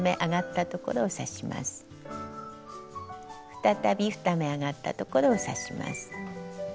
再び２目上がったところを刺します。